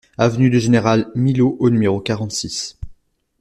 Avenue du Général Milhaud au numéro quarante-six